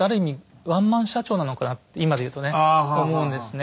今で言うとね思うんですね。